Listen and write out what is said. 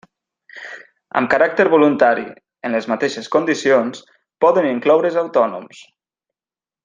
Amb caràcter voluntari, en les mateixes condicions, poden incloure's autònoms.